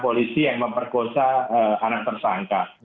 polisi yang memperkosa anak tersangka